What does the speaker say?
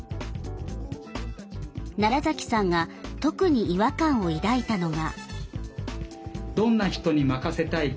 奈良さんが特に違和感を抱いたのが。